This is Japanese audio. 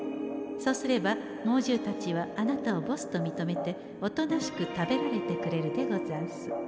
そうすれば猛獣たちはあなたをボスと認めておとなしく食べられてくれるでござんす。